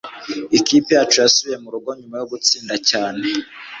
Ikipe yacu yasubiye murugo nyuma yo gutsinda cyane.